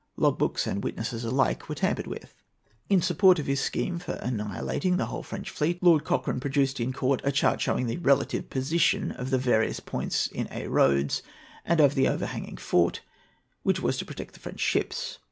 Logbooks and witnesses alike were tampered with. In support of his scheme for annihilating the whole French fleet, Lord Cochrane produced in court a chart showing the relative position of the various points in Aix Roads, and of the overhanging fort which was to protect the French ships.